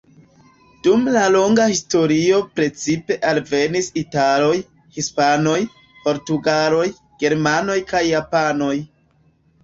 Dum la longa historio precipe alvenis italoj, hispanoj, portugaloj, germanoj kaj japanoj.